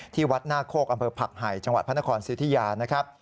ที่วัดหน้าโคกอำเภอผักไห่จังหวัดพระนครสิทธิยานะครับ